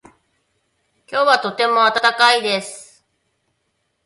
今日はとても暖かいです。